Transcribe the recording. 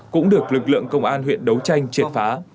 cũng được lực lượng công an huyện đấu tranh triệt phá